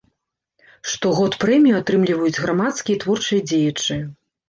Штогод прэмію атрымліваюць грамадскія і творчыя дзеячы.